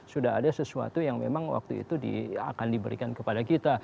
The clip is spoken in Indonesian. sudah ada sesuatu yang memang waktu itu akan diberikan kepada kita